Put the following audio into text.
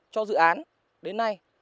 cho dự án đến nay